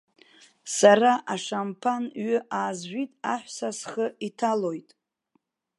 Сара ашамԥан ҩы аазжәит, аҳәса схы иҭалоит.